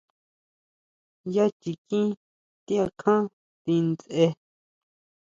Yá chiquin ti akján ti ndsje.